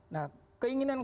nah keinginan kami